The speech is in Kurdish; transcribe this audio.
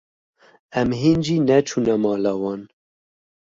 Em hîn jî neçûne mala wan.